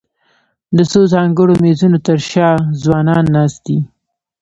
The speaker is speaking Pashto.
د څو ځانګړو مېزونو تر شا ځوانان ناست دي.